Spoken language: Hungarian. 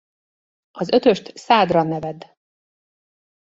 Az ötöst szádra ne vedd.